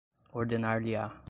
ordenar-lhe-á